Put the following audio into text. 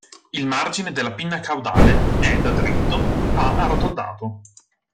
Il margine della pinna caudale è da dritto a arrotondato.